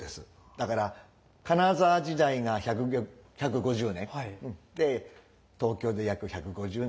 だから金沢時代が１５０年で東京で約１５０年ですね。